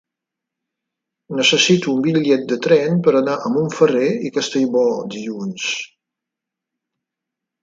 Necessito un bitllet de tren per anar a Montferrer i Castellbò dilluns.